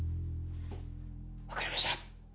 分かりました。